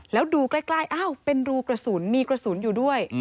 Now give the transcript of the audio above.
แล้วดูใกล้อ้าวเป็นรูกระสุนมีกระสุนอยู่ด้วย